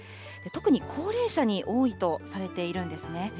特に高齢者に多いとされているんですね。